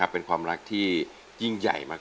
เป็นความรักที่ยิ่งใหญ่มาก